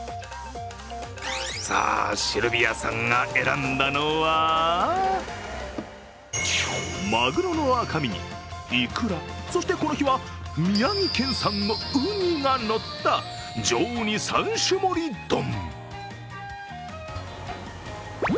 さあ、シルヴィアさんが選んだのはまぐろの赤身に、いくら、そしてこの日は宮城県産のうにがのった上うに３種盛り丼。